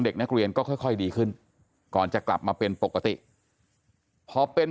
เด็กนักเรียนก็ค่อยดีขึ้นก่อนจะกลับมาเป็นปกติพอเป็น